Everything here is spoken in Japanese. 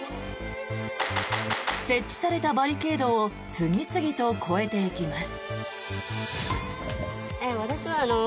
設置されたバリケードを次々と越えていきます。